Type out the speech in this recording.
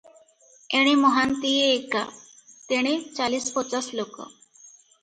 ଏଣେ ମହାନ୍ତିଏ ଏକା- ତେଣେ ଚାଳିଶ ପଚାଶ ଲୋକ ।